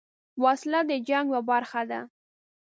وسله د جنګ یوه برخه ده